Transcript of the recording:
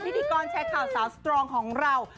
พิธีกรแชร์ข่าวสาวสตรองของเรา